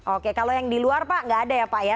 oke kalau yang di luar pak nggak ada ya pak ya